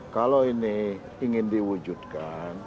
kalau ini ingin diwujudkan